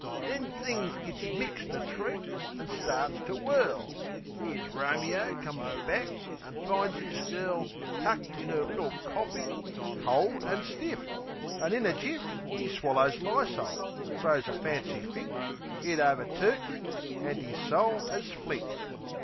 Then things gits mixed a treat an' starts to whirl. 'Ere's Romeo comes back an' finds 'is girl Tucked in 'er little coffing, cold an' stiff, An' in a jiff, 'E swallows lysol, throws a fancy fit, 'Ead over turkey, an' 'is soul 'as flit.